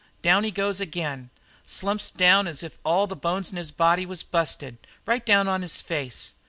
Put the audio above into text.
Down he goes again slumps down as if all the bones in his body was busted right down on his face.